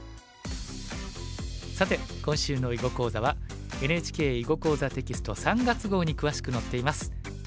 さて今週の囲碁講座はＮＨＫ「囲碁講座」テキスト３月号に詳しく載っています。